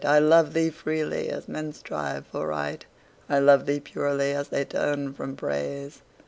I love thee freely, as men strive for Right; I love thee purely, as they turn from Praise.